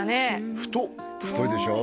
太っ太いでしょ？